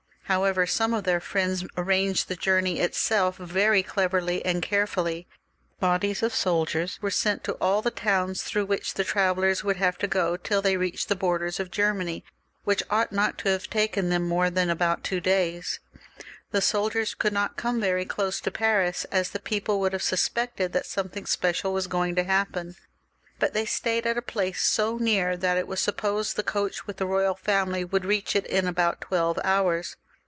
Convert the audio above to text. However, some of their Mends arranged the journey itself very cleverly and carefully ; bodies of soldiers were sent to all the towns through which the travellers would XLViii.] THE REVOLUTION. 395 have to go till ttey reached the borders of Germany, which ought not to have taken them more than about two days. The soldiers could not come quite close to Paris, as the people would have suspected that something special was going to happen, but they stayed at a place so near, that it was supposed the coach with the royal family would reach it in about twelve hours.